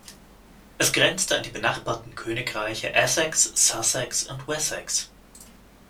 Es grenzte an die benachbarten Königreiche Essex, Sussex und Wessex.